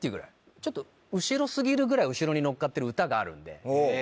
ちょっと後ろ過ぎるぐらい後ろにのっかってる歌があるんで。